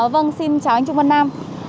vâng xin chào anh trung văn nam